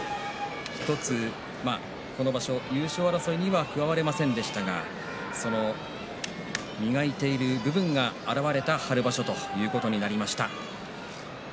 今場所、優勝争いには加われませんでしたけれども磨いている部分が現れた春場所ということになりました。